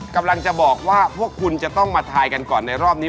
กำลังจะบอกว่าพวกคุณจะต้องมาทายกันก่อนในรอบนี้